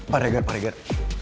pak regar pak regar